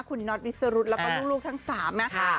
คุณนอสวิสรุทรแล้วก็ลูกทั้งสามนะค่ะ